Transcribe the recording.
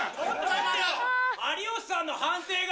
有吉さんの判定が。